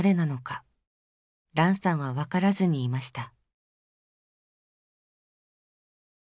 ランさんは分からずにいました。